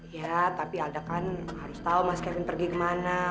ya tapi ada kan harus tahu mas kevin pergi kemana